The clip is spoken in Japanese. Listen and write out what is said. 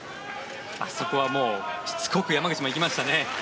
あそこはもう、しつこく山口も行きましたね。